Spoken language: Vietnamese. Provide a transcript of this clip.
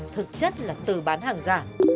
thực chất là tử bán hàng giả